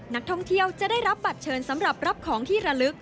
นักท่องเที่ยวจะได้รับบัตรเชิญสำหรับรับของที่ระลึก